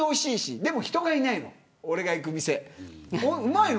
でも人がいないの俺が行く店は。